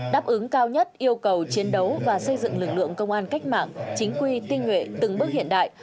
đáp ứng cao nhất yêu cầu chiến đấu và xây dựng lực lượng công an cách mạng chính quy tinh nhuệ từng bước hiện đại